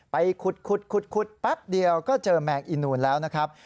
ไปขุดแป๊บเดียวก็เจอแมงอีนูนแล้วนะครับ